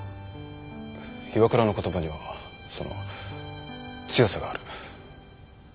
岩倉の言葉にはその強さがある。